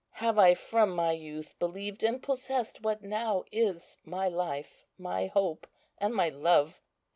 Have I from my youth believed and possessed what now is my Life, my Hope, and my Love?